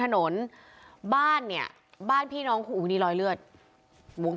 เอามาเป็น